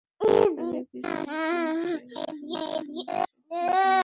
আগেই বিদায় নিশ্চিত হওয়া প্রোটিয়া মেয়েরা কাল শেষ ম্যাচে হেরেছে শ্রীলঙ্কার কাছে।